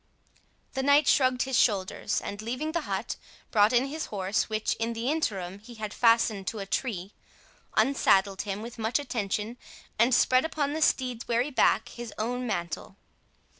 The knight shrugged his shoulders, and leaving the hut, brought in his horse, (which in the interim he had fastened to a tree,) unsaddled him with much attention, and spread upon the steed's weary back his own mantle.